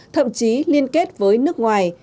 thậm chí liên kết với nước ngoài